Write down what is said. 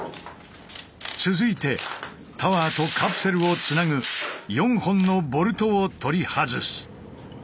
続いてタワーとカプセルをつなぐ４本のボルトを取り外す。